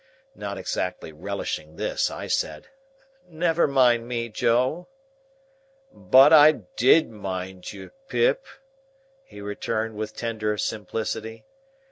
Not exactly relishing this, I said, "Never mind me, Joe." "But I did mind you, Pip," he returned with tender simplicity.